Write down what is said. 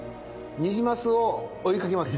ニジマスを追いかけます